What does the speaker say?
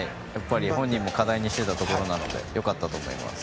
本人も課題にしていたところだったのでよかったと思います。